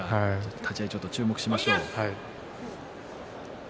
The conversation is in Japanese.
立ち合い注目しましょう。